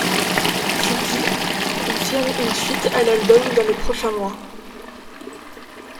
Cudi confirme une suite à l'album dans les prochains mois.